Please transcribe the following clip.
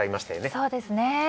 そうですね。